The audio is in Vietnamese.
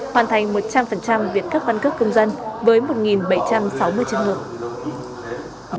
hoàn thành một trăm linh việc cấp căn cước công dân với một bảy trăm sáu mươi trường hợp